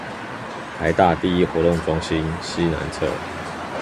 臺大第一活動中心西南側